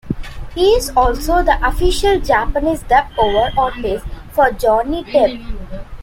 He is also the official Japanese dub-over artist for Johnny Depp.